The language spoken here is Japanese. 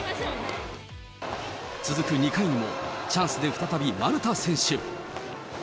続く２回にも、チャンスで再び丸太選手。